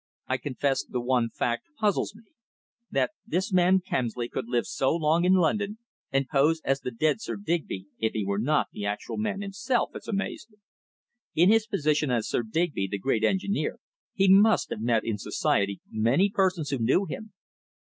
"I confess the one fact puzzles me, that this man Kemsley could live so long in London and pose as the dead Sir Digby if he were not the actual man himself, has amazed me! In his position as Sir Digby, the great engineer, he must have met in society many persons who knew him.